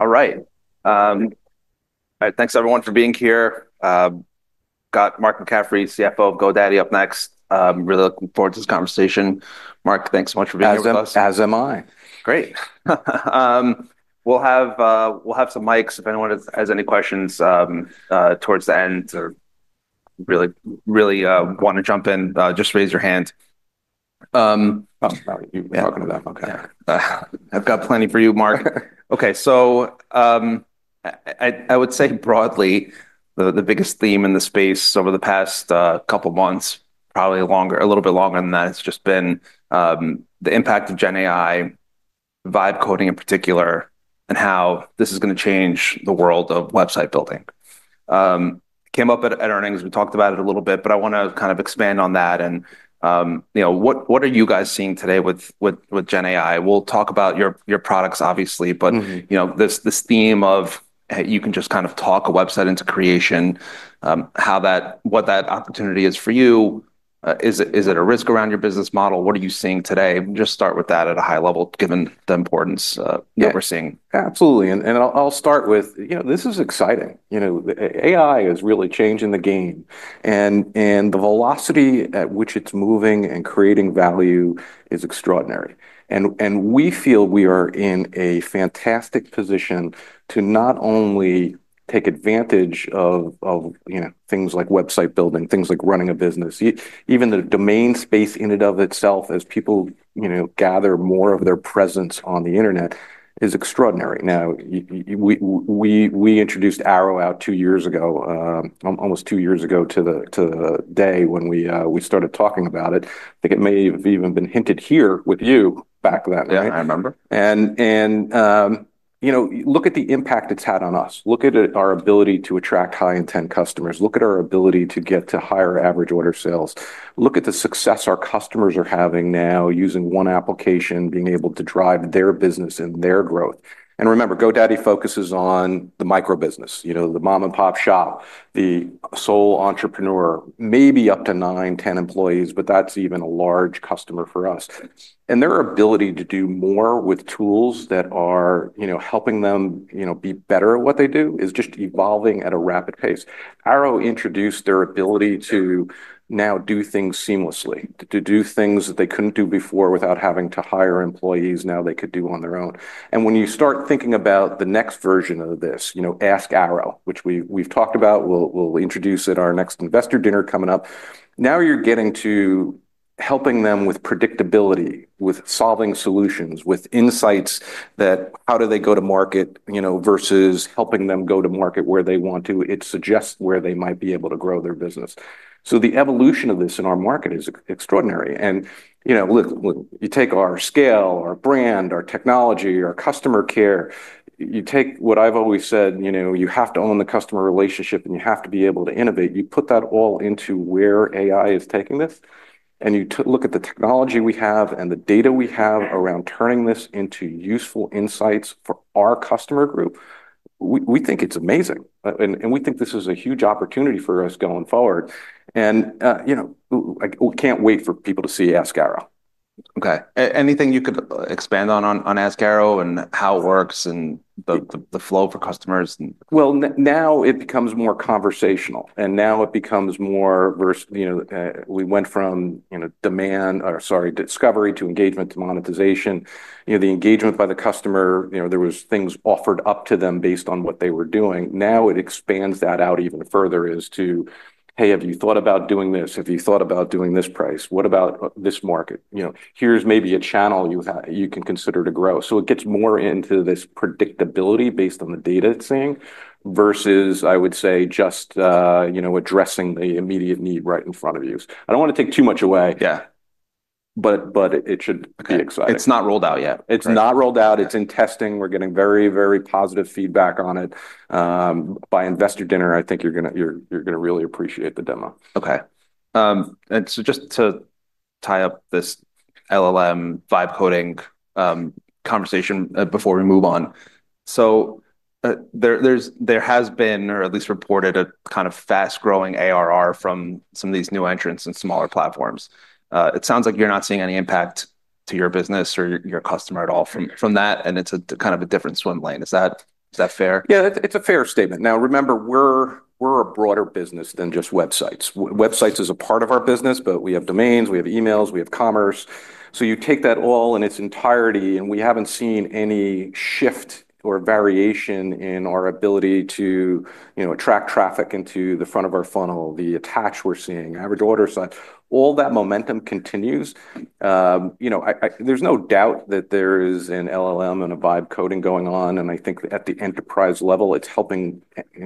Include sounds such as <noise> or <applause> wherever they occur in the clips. All right. Thanks, everyone, for being here. Got Mark McCaffrey, CFO of GoDaddy, up next. Really looking forward to this conversation. Mark, thanks so much for being with us. As am I. Great. We'll have some mics if anyone has any questions towards the end. Or if you really want to jump in, just raise your hand. Oh, you're talking about, okay. Yeah, I've got plenty for you, Mark. Okay, so I would say broadly, the biggest theme in the space over the past couple of months, probably a little bit longer than that, has just been the impact of GenAI, the vibe coding in particular, and how this is going to change the world of website building. It came up at Earnings, we talked about it a little bit, but I want to kind of expand on that and, you know, what are you guys seeing today with GenAI? We'll talk about your products, obviously, but you know, this theme of, hey, you can just kind of talk a website into creation, what that opportunity is for you. Is it a risk around your business model? What are you seeing today? Just start with that at a high level, given the importance we're seeing. Yeah, absolutely. I'll start with, you know, this is exciting. AI is really changing the game. The velocity at which it's moving and creating value is extraordinary. We feel we are in a fantastic position to not only take advantage of things like website building, things like running a business, even the domain space in and of itself, as people gather more of their presence on the internet, is extraordinary. Now, we introduced Airo out two years ago, almost two years ago to the day when we started talking about it. I think it may have even been hinted here with you back then. I remember. Look at the impact it's had on us. Look at our ability to attract high-intent customers. Look at our ability to get to higher average order sales. Look at the success our customers are having now using one application, being able to drive their business and their growth. Remember, GoDaddy focuses on the microbusiness, the mom-and-pop shop, the sole entrepreneur, maybe up to nine, 10 employees, but that's even a large customer for us. Their ability to do more with tools that are helping them be better at what they do is just evolving at a rapid pace. Airo introduced their ability to now do things seamlessly, to do things that they couldn't do before without having to hire employees. Now they could do on their own. When you start thinking about the next version of this, Ask Airo, which we've talked about, we'll introduce at our next investor dinner coming up. Now you're getting to helping them with predictability, with solving solutions, with insights that how do they go to market, versus helping them go to market where they want to. It suggests where they might be able to grow their business. The evolution of this in our market is extraordinary. You take our scale, our brand, our technology, our customer care. You take what I've always said, you have to own the customer relationship and you have to be able to innovate. You put that all into where AI is taking this. You look at the technology we have and the data we have around turning this into useful insights for our customer group. We think it's amazing. We think this is a huge opportunity for us going forward. I can't wait for people to see Ask Airo. Okay. Anything you could expand on on Ask Airo and how it works and the flow for customers? It becomes more conversational. It becomes more versus, you know, we went from, you know, discovery to engagement to monetization. The engagement by the customer, you know, there were things offered up to them based on what they were doing. Now it expands that out even further as to, hey, have you thought about doing this? Have you thought about doing this price? What about this market? You know, here's maybe a channel you can consider to grow. It gets more into this predictability based on the data it's seeing versus, I would say, just, you know, addressing the immediate need right in front of you. I don't want to take too much away. Yeah. It should be exciting. It's not rolled out yet. It's not rolled out. It's in testing. We're getting very, very positive feedback on it. By Investor Dinner, I think you're going to really appreciate the demo. Okay, just to tie up this LLM vibe coding conversation before we move on. There has been, or at least reported, a kind of fast-growing ARR from some of these new entrants and smaller platforms. It sounds like you're not seeing any impact to your business or your customer at all from that. It's a kind of a different swim lane. Is that fair? Yeah, it's a fair statement. Now remember, we're a broader business than just websites. Websites are a part of our business, but we have domains, we have emails, we have commerce. You take that all in its entirety, and we haven't seen any shift or variation in our ability to attract traffic into the front of our funnel, the attach we're seeing, average order size, all that momentum continues. There's no doubt that there is an LLM and a vibe coding going on. I think at the enterprise level, it's helping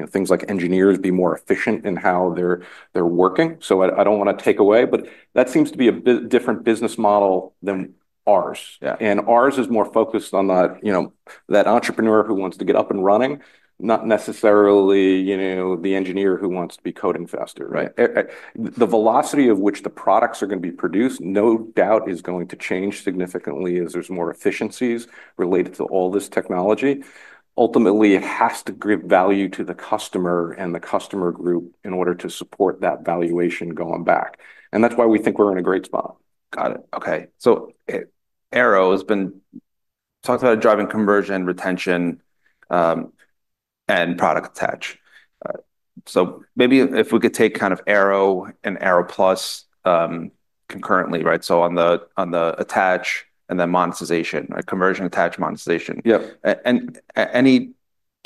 things like engineers be more efficient in how they're working. I don't want to take away, but that seems to be a different business model than ours. Ours is more focused on that entrepreneur who wants to get up and running, not necessarily the engineer who wants to be coding faster. The velocity of which the products are going to be produced, no doubt, is going to change significantly as there's more efficiencies related to all this technology. Ultimately, it has to give value to the customer and the customer group in order to support that valuation going back. That's why we think we're in a great spot. Got it. Okay. Airo has been talking about driving conversion, retention, and product attach. Maybe if we could take kind of Airo and Airo Plus concurrently, right? On the attach and then monetization, right? Conversion, attach, monetization. Yeah. there any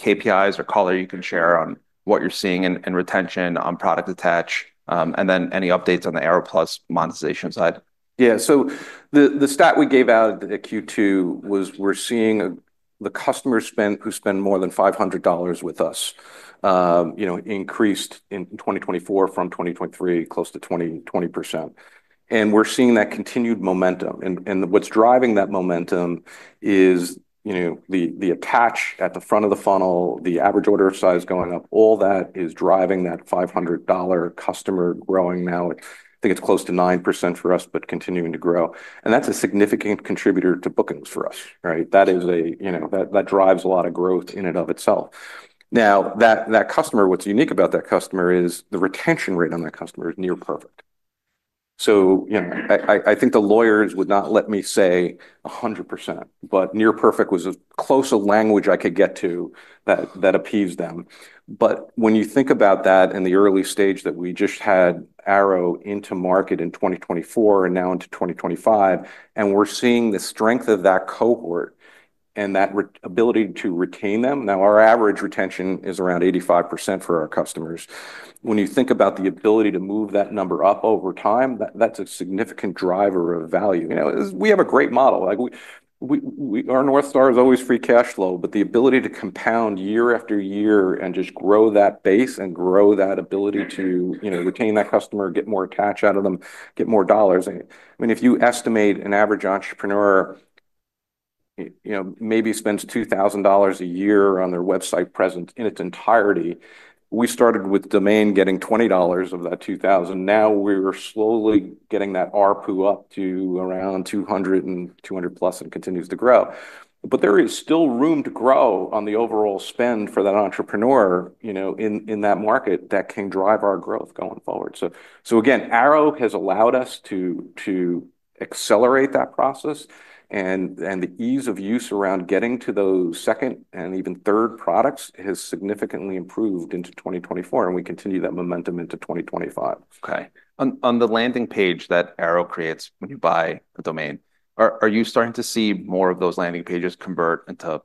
KPIs or color you can share on what you're seeing in retention on product attach, and any updates on the Airo Plus monetization side? Yeah. The stat we gave out at Q2 was we're seeing the customers who spend more than $500 with us increased in 2024 from 2023, close to 20%. We're seeing that continued momentum. What's driving that momentum is the attach at the front of the funnel, the average order size going up, all that is driving that $500 customer growing now. I think it's close to 9% for us, but continuing to grow. That's a significant contributor to bookings for us, right? That drives a lot of growth in and of itself. Now that customer, what's unique about that customer is the retention rate on that customer is near perfect. I think the lawyers would not let me say 100%, but near perfect was as close a language I could get to that that appeased them. When you think about that in the early stage that we just had Airo into market in 2024 and now into 2025, we're seeing the strength of that cohort and that ability to retain them. Our average retention is around 85% for our customers. When you think about the ability to move that number up over time, that's a significant driver of value. We have a great model. Our North Star is always free cash flow, but the ability to compound year- after- year and just grow that base and grow that ability to retain that customer, get more cash out of them, get more dollars. If you estimate an average entrepreneur, maybe spends $2,000- a- year on their website presence in its entirety. We started with domain registration getting $20 of that $2,000. Now we're slowly getting that ARPU up to around $200 and $200 + and it continues to grow. There is still room to grow on the overall spend for that entrepreneur in that market that can drive our growth going forward. So again, Airo has allowed us to accelerate that process. The ease of use around getting to those second and even third products has significantly improved into 2024. We continue that momentum into 2025. Okay. On the landing page that Airo creates when you buy a domain, are you starting to see more of those landing pages convert into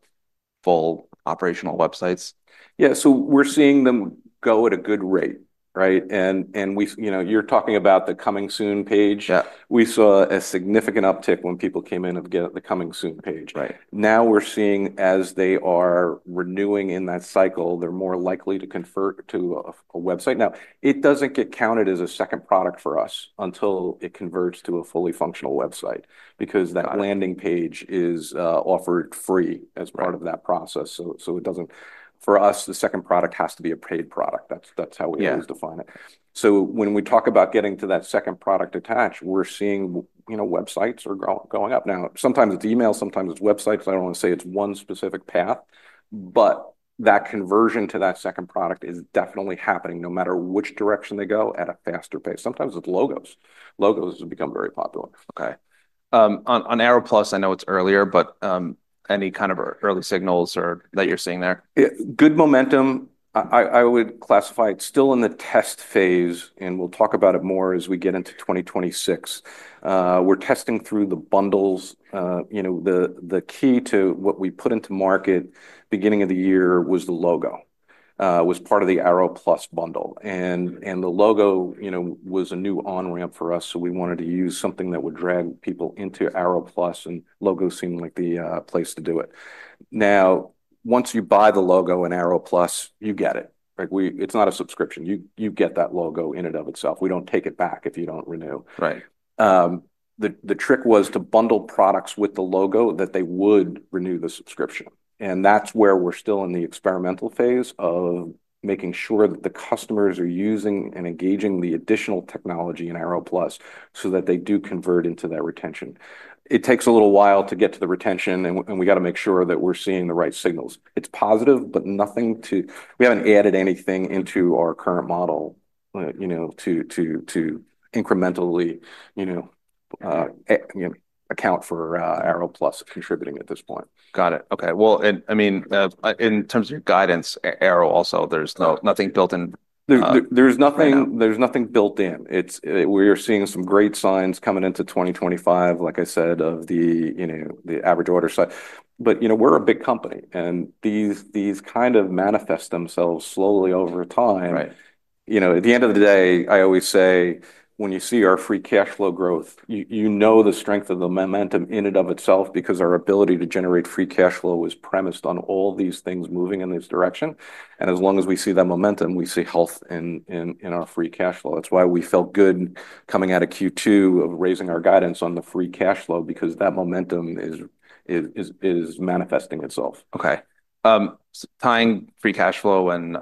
full operational websites? Yeah. We're seeing them go at a good rate, right? You're talking about the coming soon page. We saw a significant uptick when people came in off the coming soon page. Now we're seeing as they are renewing in that cycle, they're more likely to convert to a website. It doesn't get counted as a second product for us until it converts to a fully functional website because that landing page is offered free as part of that process. For us, the second product has to be a paid product. That's how we always define it. When we talk about getting to that second product attach, we're seeing websites are going up. Sometimes it's emails, sometimes it's websites. I don't want to say it's one specific path, but that conversion to that second product is definitely happening no matter which direction they go at a faster pace. Sometimes it's logos. Logos have become very popular. Okay. On Airo Plus, I know it's early, but any kind of early signals that you're seeing there? Good momentum. I would classify it still in the test phase, and we'll talk about it more as we get into 2026. We're testing through the bundles. You know, the key to what we put into market at the beginning of the year was the logo. It was part of the Airo Plus bundle. The logo was a new on-ramp for us. We wanted to use something that would drag people into Airo Plus, and logo seemed like the place to do it. Now, once you buy the logo in Airo Plus, you get it. It's not a subscription. You get that logo in and of itself. We don't take it back if you don't renew. Right. The trick was to bundle products with the logo that they would renew the subscription. That's where we're still in the experimental phase of making sure that the customers are using and engaging the additional technology in Airo Plus so that they do convert into that retention. It takes a little while to get to the retention, and we got to make sure that we're seeing the right signals. It's positive, but we haven't added anything into our current model to incrementally account for Airo Plus contributing at this point. Got it. Okay. In terms of your guidance, Airo also, there's nothing built in. There's nothing built in. We are seeing some great signs coming into 2025, like I said, of the average order size. We're a big company, and these kind of manifest themselves slowly over time. Right. At the end of the day, I always say when you see our free cash flow growth, you know the strength of the momentum in and of itself because our ability to generate free cash flow is premised on all these things moving in this direction. As long as we see that momentum, we see health in our free cash flow. That's why we felt good coming out of Q2 raising our guidance on the free cash flow because that momentum is manifesting itself. Okay. Tying free cash flow and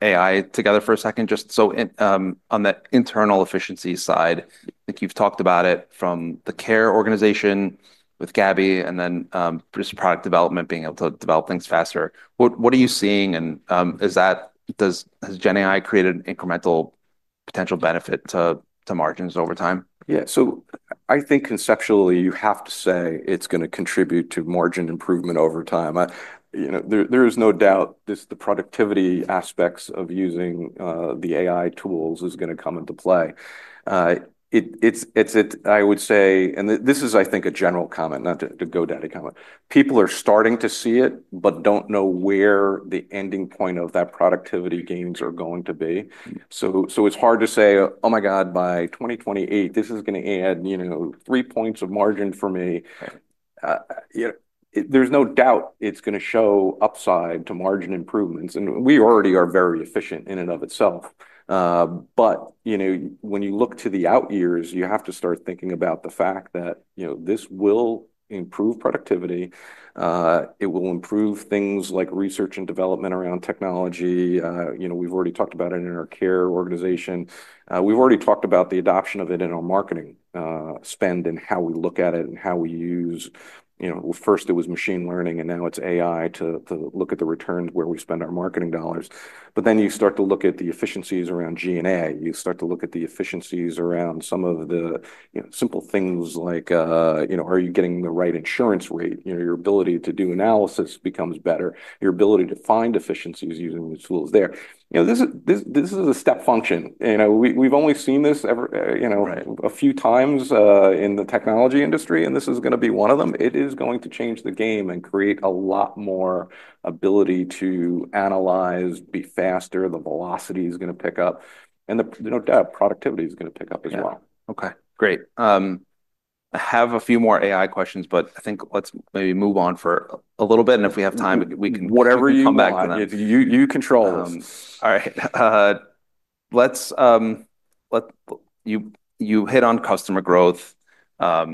AI together for a second, just on that internal efficiency side, I think you've talked about it from the Care organization with GaBBY and then producer product development being able to develop things faster. What are you seeing? Has GenAI created an incremental potential benefit to margins over time? Yeah. I think conceptually you have to say it's going to contribute to margin improvement over time. There is no doubt the productivity aspects of using the AI tools are going to come into play. I would say, and this is, I think, a general comment, not a GoDaddy comment. People are starting to see it, but don't know where the ending point of that productivity gains are going to be. It's hard to say, oh my God, by 2028, this is going to add, you know, three points of margin for me. There's no doubt it's going to show upside to margin improvements. We already are very efficient in and of itself. When you look to the out years, you have to start thinking about the fact that this will improve productivity. It will improve things like research and development around technology. We've already talked about it in our Care organization. We've already talked about the adoption of it in our marketing spend and how we look at it and how we use, you know, first it was machine learning and now it's AI to look at the returns where we spend our marketing dollars. You start to look at the efficiencies around G&A. You start to look at the efficiencies around some of the simple things like, you know, are you getting the right insurance rate? Your ability to do analysis becomes better. Your ability to find efficiencies using the tools there. This is a step function. We've only seen this a few times in the technology industry, and this is going to be one of them. It is going to change the game and create a lot more ability to analyze, be faster. The velocity is going to pick up, and the productivity is going to pick up as well. Okay. Great. I have a few more AI questions, but I think let's maybe move on for a little bit. If we have time, we can come back to that. You control this. All right. You hit on customer growth. I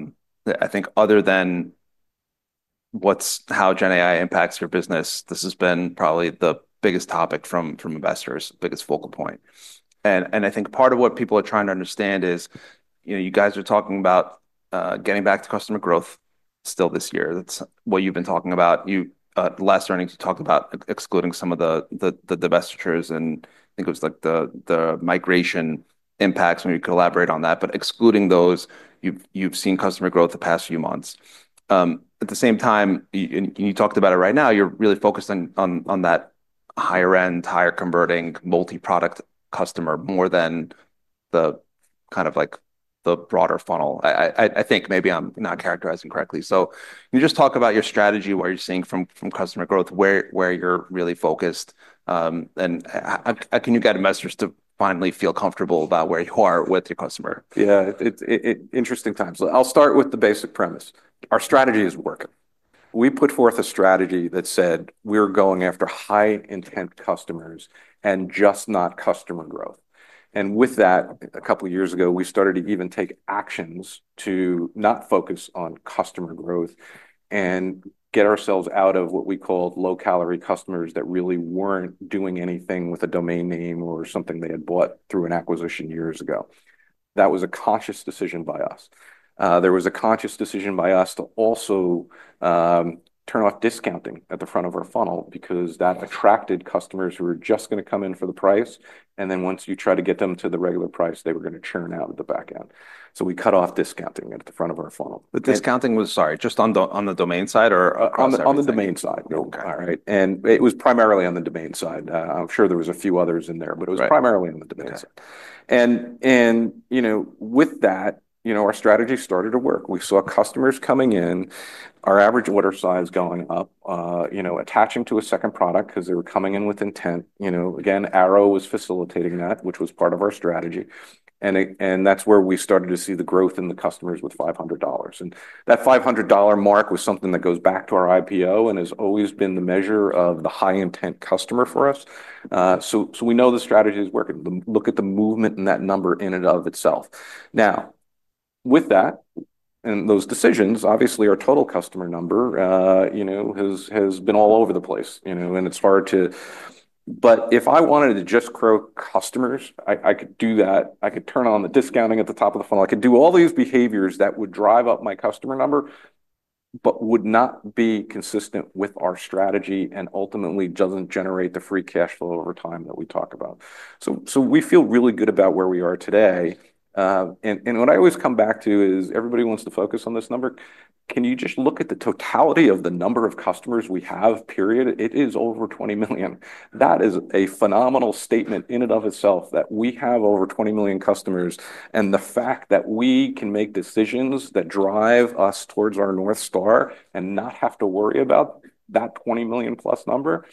think other than how GenAI impacts your business, this has been probably the biggest topic from investors, the biggest focal point. I think part of what people are trying to understand is, you know, you guys are talking about getting back to customer growth still this year. That's what you've been talking about. Last earnings, you talked about excluding some of the divestitures and I think it was like the migration impacts when you collaborate on that. Excluding those, you've seen customer growth the past few months. At the same time, you talked about it right now, you're really focused on that higher-end, higher-converting, multi-product customer more than the kind of like the broader funnel. I think maybe I'm not characterizing correctly. Can you just talk about your strategy, what you're seeing from customer growth, where you're really focused? Can you get investors to finally feel comfortable about where you are with your customer? Yeah, it's interesting times. I'll start with the basic premise. Our strategy is working. We put forth a strategy that said we're going after high-intent customers and just not customer growth. With that, a couple of years ago, we started to even take actions to not focus on customer growth and get ourselves out of what we called low-calorie customers that really weren't doing anything with a domain name or something they had bought through an acquisition years ago. That was a conscious decision by us. There was a conscious decision by us to also turn off discounting at the front of our funnel because that attracted customers who were just going to come in for the price. Once you tried to get them to the regular price, they were going to churn out of the back end. We cut off discounting at the front of our funnel. The discounting was, sorry, just on the domain side or? All right. It was primarily on the domain side. I'm sure there were a few others in there, but it was primarily on the domain side. With that, our strategy started to work. We saw customers coming in, our average order size going up, attaching to a second product because they were coming in with intent. Again, Airo was facilitating that, which was part of our strategy. That's where we started to see the growth in the customers with $500. That $500- mark was something that goes back to our IPO and has always been the measure of the high-intent customer for us. We know the strategy is working. Look at the movement in that number in and of itself. Now, with that and those decisions, obviously, our total customer number has been all over the place, and it's hard to, but if I wanted to just grow customers, I could do that. I could turn on the discounting at the top of the funnel. I could do all these behaviors that would drive up my customer number, but would not be consistent with our strategy and ultimately doesn't generate the free cash flow over time that we talk about. We feel really good about where we are today. What I always come back to is everybody wants to focus on this number. Can you just look at the totality of the number of customers we have, period? It is over 20 million. That is a phenomenal statement in and of itself that we have over 20 million customers. The fact that we can make decisions that drive us towards our North Star and not have to worry about that 20 million+ number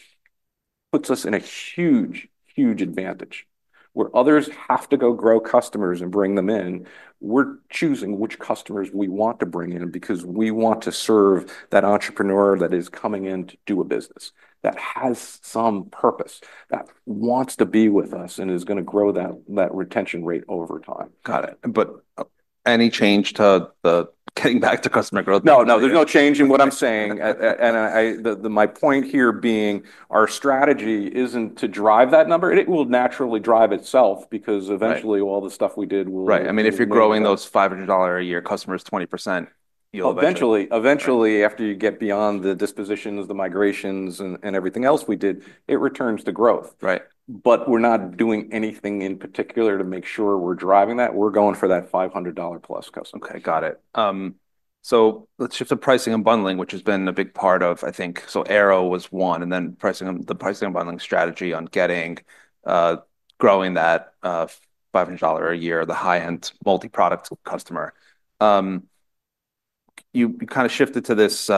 puts us in a huge, huge advantage. Where others have to go grow customers and bring them in, we're choosing which customers we want to bring in because we want to serve that entrepreneur that is coming in to do a business that has some purpose, that wants to be with us and is going to grow that retention rate over time. Got it. Any change to the getting back to customer growth? No, there's no change in what I'm saying. My point here being our strategy isn't to drive that number. It will naturally drive itself because eventually all the stuff we did will. Right. I mean, if you're growing those $500- a- year customers 20%, you'll eventually. Eventually, after you get beyond the dispositions, the migrations, and everything else we did, it returns to growth. Right. We are not doing anything in particular to make sure we are driving that. We are going for that $500+ customer. Okay. Got it. Let's shift to pricing and bundling, which has been a big part of, I think, so Airo was one, and then pricing, the pricing and bundling strategy on get.inc, growing that $500- a- year, the high-end multi-product customer. You kind of shifted to this,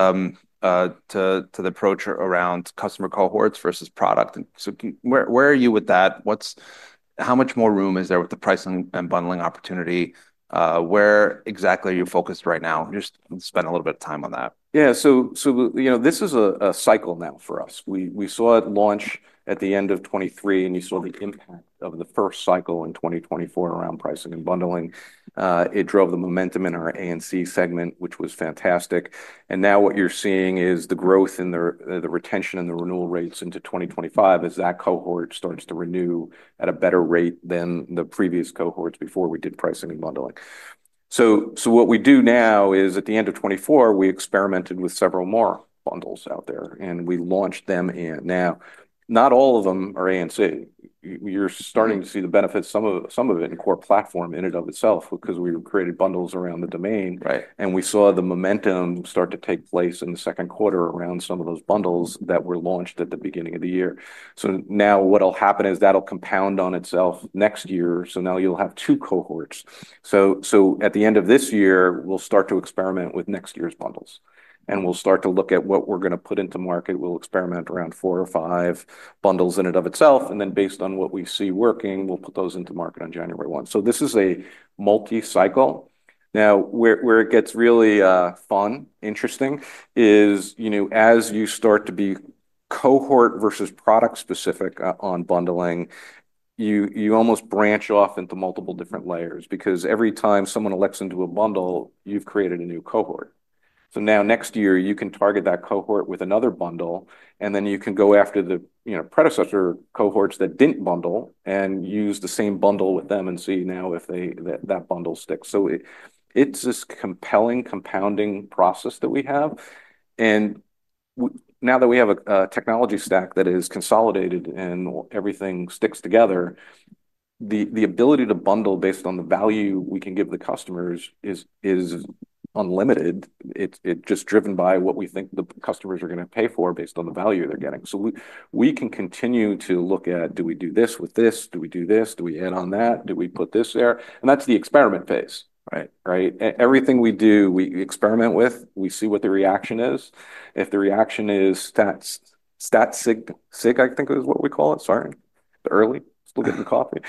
to the approach around customer cohorts versus product. Where are you with that? How much more room is there with the pricing and bundling opportunity? Where exactly are you focused right now? Just spend a little bit of time on that. Yeah, you know, this is a cycle now for us. We saw it launch at the end of 2023, and you saw the impact of the first cycle in 2024 around pricing and bundling. It drove the momentum in our A&C segment, which was fantastic. Now what you're seeing is the growth in the retention and the renewal rates into 2025 as that cohort starts to renew at a better rate than the previous cohorts before we did pricing and bundling. What we do now is at the end of 2024, we experimented with several more bundles out there, and we launched them in. Not all of them are A&C. You're starting to see the benefits, some of it in core platform in and of itself because we created bundles around the domain. We saw the momentum start to take place in the second quarter around some of those bundles that were launched at the beginning of the year. What will happen is that will compound on itself next year. You will have two cohorts. At the end of this year, we will start to experiment with next year's bundles, and we will start to look at what we are going to put into market. We will experiment around four or five bundles in and of itself. Based on what we see working, we will put those into market on January 1. This is a multi-cycle. Where it gets really fun, interesting is, as you start to be cohort versus product specific on bundling, you almost branch off into multiple different layers because every time someone elects into a bundle, you have created a new cohort. Next year, you can target that cohort with another bundle, and you can go after the predecessor cohorts that did not bundle and use the same bundle with them and see if that bundle sticks. It is this compelling, compounding process that we have. Now that we have a technology stack that is consolidated and everything sticks together, the ability to bundle based on the value we can give the customers is unlimited. It is just driven by what we think the customers are going to pay for based on the value they are getting. We can continue to look at, do we do this with this? Do we do this? Do we add on that? Do we put this there? That is the experiment phase, right? Everything we do, we experiment with, we see what the reaction is. If the reaction is Stat sig, I think is what we call it. Sorry, still getting coffee.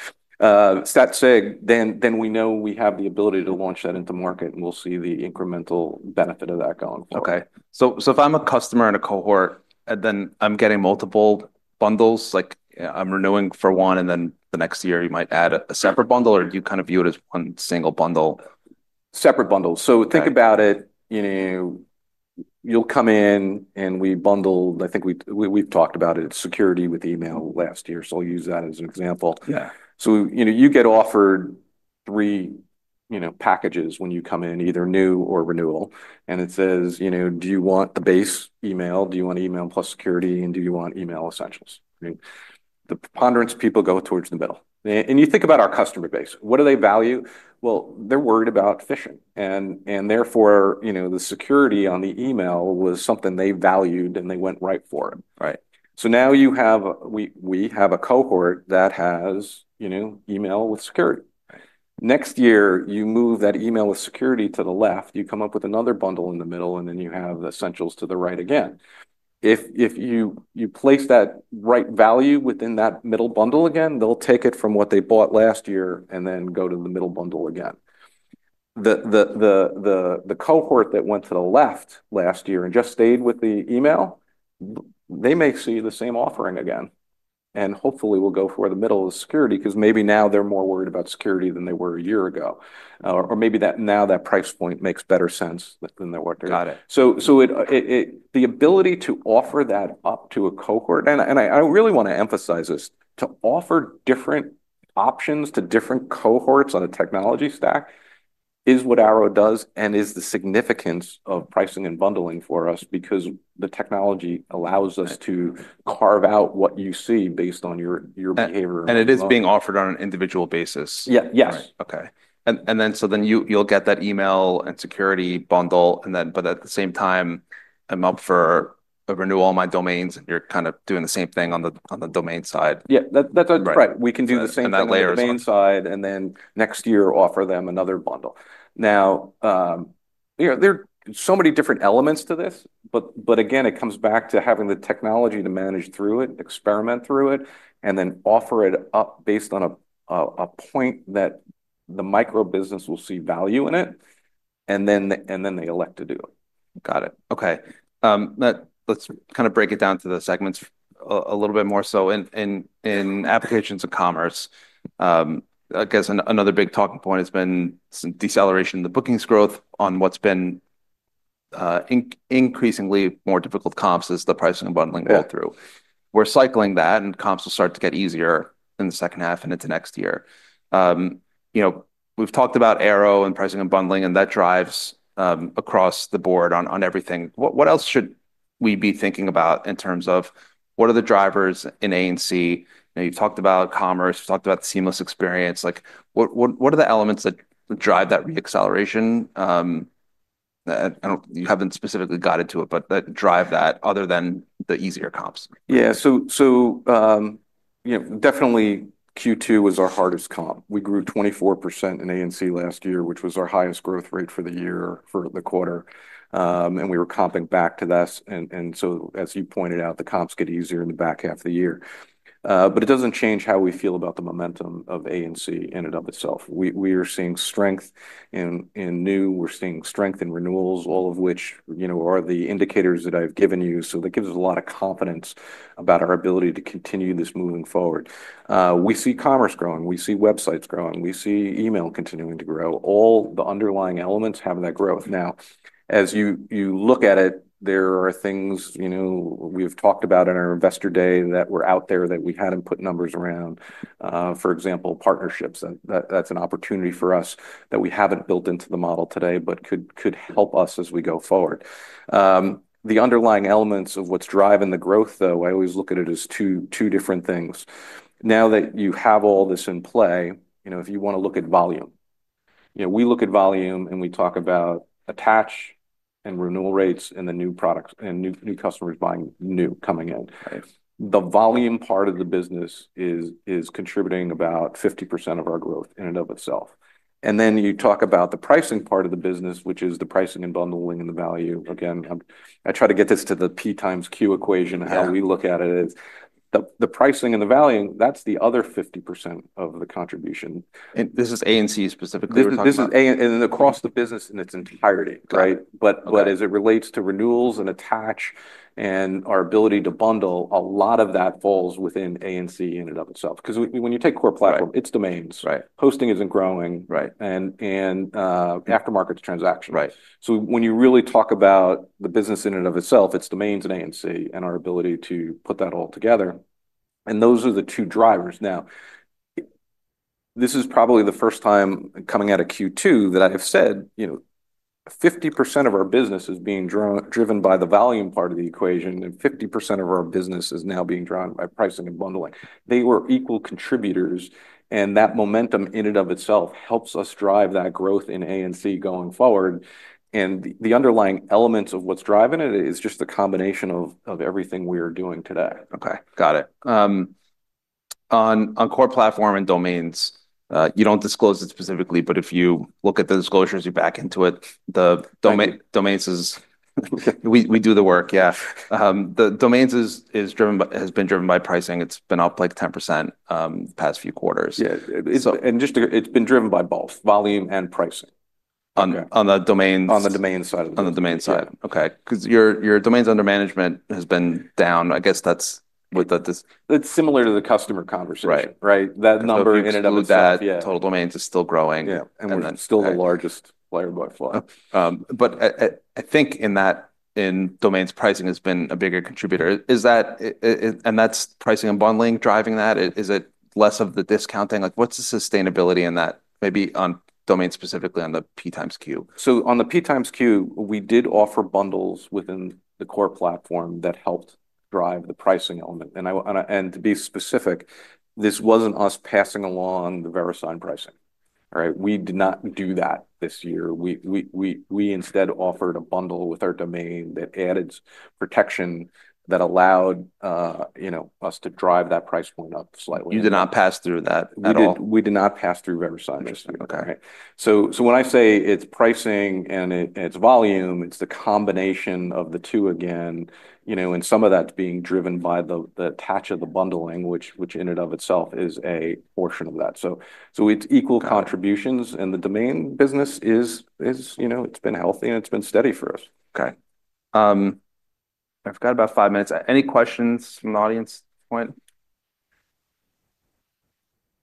Stat sig, then we know we have the ability to launch that into market, and we will see the incremental benefit of that going. If I'm a customer in a cohort, and then I'm getting multiple bundles, like I'm renewing for one, and then the next year you might add a separate bundle, do you kind of view it as one single bundle? Separate bundles. Think about it, you know, you'll come in and we bundle, I think we've talked about it, security with email last year. I'll use that as an example. Yeah. You get offered three packages when you come in, either new or renewal. It says, do you want the base email, do you want email plus security, and do you want email essentials? The preponderance of people go towards the middle. You think about our customer base. What do they value? They're worried about phishing, and therefore, the security on the email was something they valued and they went right for it. Now you have, we have a cohort that has email with security. Next year, you move that email with security to the left, you come up with another bundle in the middle, and then you have essentials to the right again. If you place that right value within that middle bundle again, they'll take it from what they bought last year and then go to the middle bundle again. The cohort that went to the left last year and just stayed with the email, they may see the same offering again and hopefully will go for the middle of security because maybe now they're more worried about security than they were a year ago. Or maybe that now that price point makes better sense than they were a year ago. Got it. The ability to offer that up to a cohort, and I really want to emphasize this, to offer different options to different cohorts on a technology stack is what Airo does and is the significance of pricing and bundling for us, because the technology allows us to carve out what you see based on your behavior. It is being offered on an individual basis. Yeah. Okay. You'll get that email and security bundle, and at the same time, I'm up for a renewal on my domains, and you're kind of doing the same thing on the domain side. Yeah, that's right. We can do the same thing on the domain side, and then next year offer them another bundle. There are so many different elements to this, but again, it comes back to having the technology to manage through it, experiment through it, and then offer it up based on a point that the microbusiness will see value in it, and then they elect to do it. Got it. Okay. Let's kind of break it down to the segments a little bit more. In Applications & Commerce, I guess another big talking point has been some deceleration in the bookings growth on what's been increasingly more difficult comps as the pricing and bundling go through. We're cycling that, and comps will start to get easier in the second half and into next year. You know, we've talked about Airo and pricing and bundling, and that drives across the board on everything. What else should we be thinking about in terms of what are the drivers in A&C? You've talked about commerce, you've talked about the seamless experience. What are the elements that drive that reacceleration? You haven't specifically got into it, but that drive that other than the easier comps. Yeah. Q2 was our hardest comp. We grew 24% in A&C last year, which was our highest growth rate for the year, for the quarter. We were comping back to this. As you pointed out, the comps get easier in the back half of the year. It doesn't change how we feel about the momentum of A&C in and of itself. We are seeing strength in new, we're seeing strength in renewals, all of which are the indicators that I've given you. That gives us a lot of confidence about our ability to continue this moving forward. We see commerce growing, we see websites growing, we see email continuing to grow. All the underlying elements have that growth. As you look at it, there are things we've talked about in our Investor Day that were out there that we hadn't put numbers around. For example, partnerships, that's an opportunity for us that we haven't built into the model today, but could help us as we go forward. The underlying elements of what's driving the growth, though, I always look at it as two different things. Now that you have all this in play, if you want to look at volume, we look at volume and we talk about attach and renewal rates and the new products and new customers buying new, coming in. The volume part of the business is contributing about 50% of our growth in and of itself. Then you talk about the pricing part of the business, which is the pricing and bundling and the value. I try to get this to the Px Q equation of how we look at it. The pricing and the value, that's the other 50% of the contribution. this is A&C specifically? This is A&C and across the business in its entirety. Right. As it relates to renewals and attach and our ability to bundle, a lot of that falls within A&C in and of itself. When you take core platform, it's domains. Hosting isn't growing. Right. Aftermarket transactions. When you really talk about the business in and of itself, it's domains and A&C and our ability to put that all together. <crosstalk> Those are the two drivers. This is probably the first time coming out of Q2 that I have said, you know, 50% of our business is being driven by the volume part of the equation and 50% of our business is now being driven by pricing and bundling. They were equal contributors, and that momentum in and of itself helps us drive that growth in A&C going forward. The underlying elements of what's driving it is just the combination of everything we are doing today. Okay. Got it. On core platform and domains, you don't disclose it specifically, but if you look at the disclosures, you back into it. The domains, we do the work. The domains have been driven by pricing. It's been up like 10% the past few quarters. It's been driven by both volume and pricing. On the domain? On the domain side. On the domain side, because your domains under management has been down, I guess that's what that is. It's similar to the customer conversation. Right. Right. That number in and of that total domains is still growing. Yeah, we're still the largest player by far. I think in domains, pricing has been a bigger contributor. Is that pricing and bundling driving that? Is it less of the discounting? What's the sustainability in that, maybe on domain specifically on the P x Q? On the P times Q, we did offer bundles within the core platform that helped drive the pricing element. To be specific, this wasn't us passing along the verified pricing. We did not do that this year. We instead offered a bundle with our domain that added protection that allowed us to drive that price point up slightly. You did not pass through that at all? We did not pass through verified. When I say it's pricing and it's volume, it's the combination of the two again, you know, and some of that's being driven by the attach of the bundling, which in and of itself is a portion of that. It's equal contributions, and the domain registration business is, you know, it's been healthy and it's been steady for us. Okay. I've got about five minutes. Any questions from the audience at this point?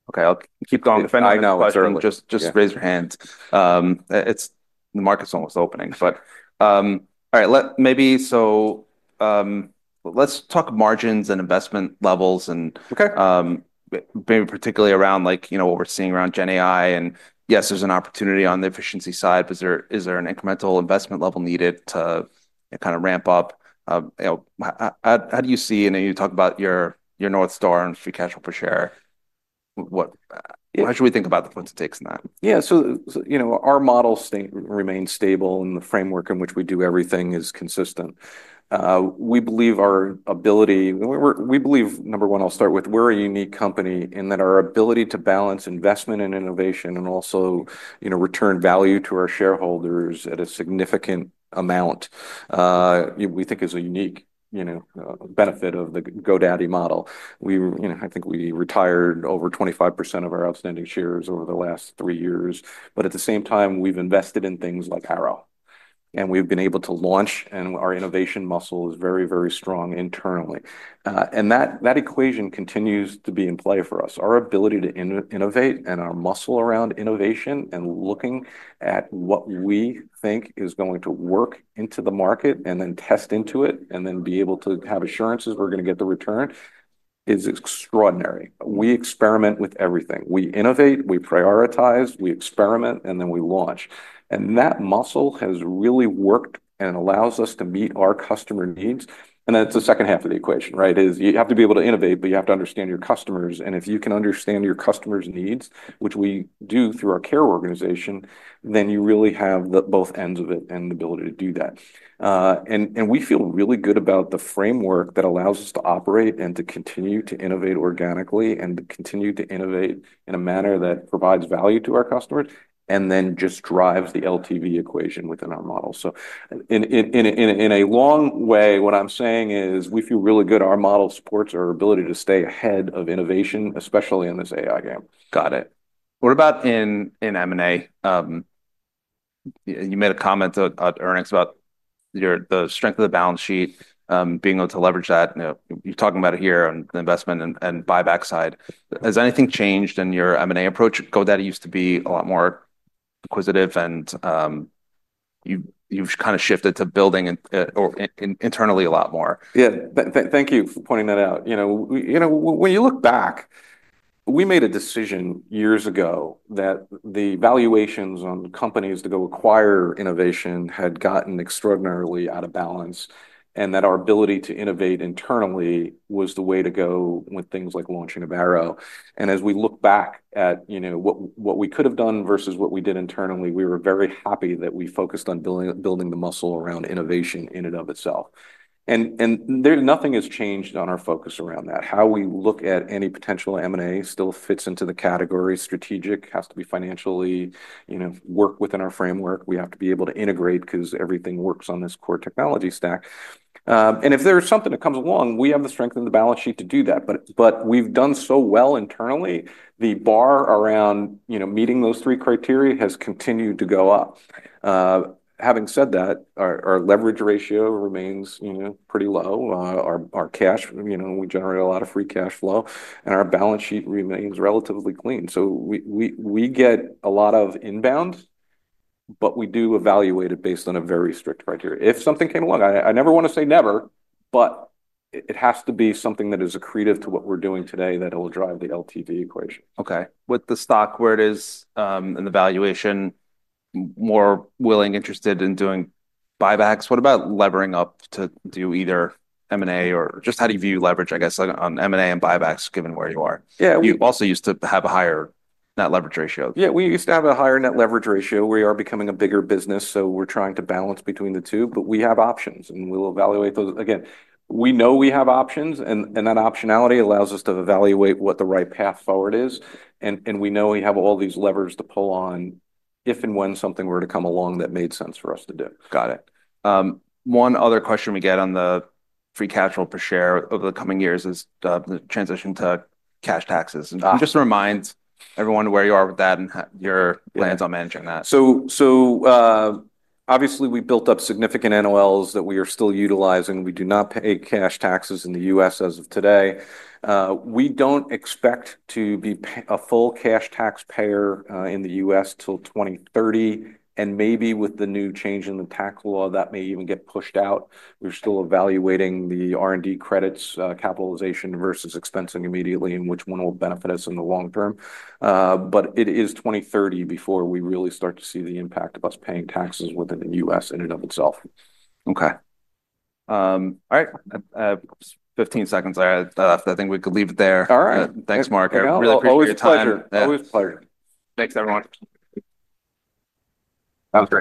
Okay. I'll keep going. I know. Just raise your hand. The market's almost opening, but all right, maybe let's talk margins and investment levels and maybe particularly around, like, you know, what we're seeing around GenAI and yes, there's an opportunity on the efficiency side, but is there an incremental investment level needed to kind of ramp up? You know, how do you see, and you talk about your North Star and free cash flow per share, how should we think about the points it takes in that? Yeah. Our model remains stable, and the framework in which we do everything is consistent. We believe, number one, I'll start with we're a unique company in that our ability to balance investment and innovation and also, you know, return value to our shareholders at a significant amount, we think is a unique benefit of the GoDaddy model. I think we retired over 25% of our outstanding shares over the last three years. At the same time, we've invested in things like Airo. We've been able to launch, and our innovation muscle is very, very strong internally. That equation continues to be in play for us. Our ability to innovate and our muscle around innovation and looking at what we think is going to work into the market and then test into it and then be able to have assurances we're going to get the return is extraordinary. We experiment with everything. We innovate, we prioritize, we experiment, and then we launch. That muscle has really worked and allows us to meet our customer needs. That's the second half of the equation, right? You have to be able to innovate, but you have to understand your customers. If you can understand your customer's needs, which we do through our Care organization, then you really have both ends of it and the ability to do that. We feel really good about the framework that allows us to operate and to continue to innovate organically and to continue to innovate in a manner that provides value to our customers and just drives the LTV equation within our model. In a long way, what I'm saying is we feel really good. Our model supports our ability to stay ahead of innovation, especially in this AI game. Got it. What about in M&A? You made a comment, Ernest, about the strength of the balance sheet, being able to leverage that. You're talking about it here on the investment and buyback side. Has anything changed in your M&A approach? GoDaddy used to be a lot more inquisitive and you've kind of shifted to building or internally a lot more. Yeah. Thank you for pointing that out. You know, when you look back, we made a decision years ago that the valuations on companies to go acquire innovation had gotten extraordinarily out of balance and that our ability to innovate internally was the way to go with things like launching of Airo. As we look back at, you know, what we could have done versus what we did internally, we were very happy that we focused on building the muscle around innovation in and of itself. Nothing has changed on our focus around that. How we look at any potential M&A still fits into the category. Strategic has to be financially, you know, work within our framework. We have to be able to integrate because everything works on this core technology stack. If there's something that comes along, we have the strength and the balance sheet to do that. We've done so well internally, the bar around, you know, meeting those three criteria has continued to go up. Having said that, our leverage ratio remains, you know, pretty low. Our cash, you know, we generate a lot of free cash flow and our balance sheet remains relatively clean. We get a lot of inbound, but we do evaluate it based on a very strict criteria. If something came along, I never want to say never, but it has to be something that is accretive to what we're doing today that will drive the LTV equation. Okay. With the stock where it is in the valuation, more willing, interested in doing buybacks, what about levering up to do either M&A or just how do you view leverage, I guess, on M&A and buybacks given where you are? Yeah. You also used to have a higher net leverage ratio. Yeah, we used to have a higher net leverage ratio. We are becoming a bigger business, so we're trying to balance between the two. We have options and we'll evaluate those. We know we have options and that optionality allows us to evaluate what the right path forward is. We know we have all these levers to pull on if and when something were to come along that made sense for us to do. Got it. One other question we get on the free cash flow per share over the coming years is the transition to cash taxes. Just to remind everyone where you are with that and your plans on managing that. Obviously, we built up significant NOLs that we are still utilizing. We do not pay cash taxes in the U.S. as of today. We don't expect to be a full cash tax payer in the U.S. till 2030. Maybe with the new change in the tax law, that may even get pushed out. We're still evaluating the R&D credits, capitalization versus expensing immediately, and which one will benefit us in the long term. It is 2030 before we really start to see the impact of us paying taxes within the U.S. in and of itself. Okay, all right. 15 seconds left. I think we could leave it there. All right. Thanks, Mark. Always a pleasure. Thanks, everyone. Sounds good.